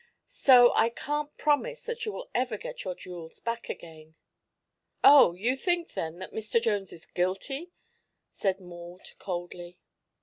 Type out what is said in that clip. So I can't promise that you will ever get your jewels back again." "Oh. You think, then, that Mr. Jones is guilty?" said Maud coldly.